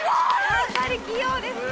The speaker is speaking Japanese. やっぱり器用ですね。